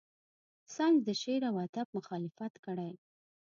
ساینس د شعر و ادب مخالفت کړی.